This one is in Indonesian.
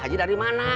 haji dari mana